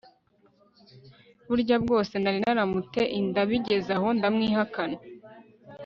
burya bwose nari naramute inda bigezaho ndamwihakana